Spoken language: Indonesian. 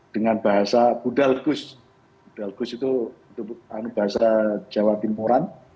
dengan bahasa budal gus budal gus itu bahasa jawa timuran